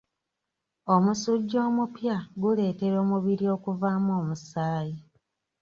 Omusujja omupya guleetera omubiri okuvaamu omusaayi.